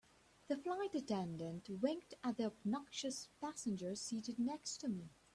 The flight attendant winked at the obnoxious passenger seated next to me.